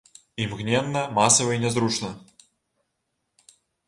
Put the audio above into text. Імгненна, масава і нязручна.